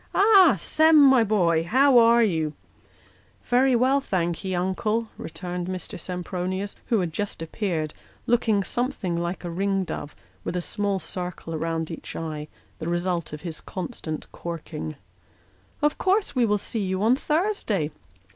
Ah ! Sem, my boy, how are you ?" "Very well, thank'ee, uncle," returned Mr. Sempronius, who had just appeared, looking something like a ringdove, with a small circle round each eye : the result of his constant corking. " Of course we see you on Thursday."